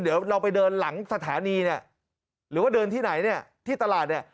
เดี๋ยวเราไปเดินหลังสถานีเนี่ยหรือว่าเดินที่ไหนเนี่ยที่ตลาดเนี่ย